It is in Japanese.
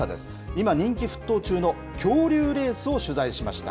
今、人気沸騰中の恐竜レースを取材しました。